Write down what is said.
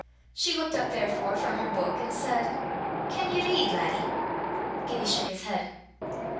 She looked up therefore from her book, and said "Can ye read, laddie?" Gibbie shook his head.